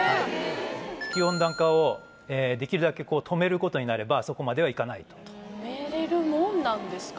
地球温暖化をできるだけ止めることになればそこまではいかないと止めれるもんなんですか？